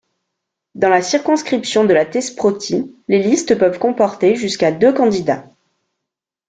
Dans la circonscription de la Thesprotie, les listes peuvent comporter jusqu'à deux candidats.